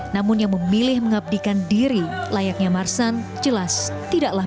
namun yang memilih mengabdikan diri layaknya marsan jelas tidaklah